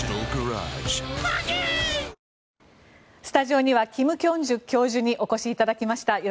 スタジオには金慶珠教授にお越しいただきました。